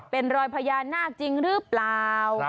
เป็นรอยพญานาคจริงหรือเปล่า